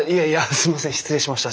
すみません失礼しました。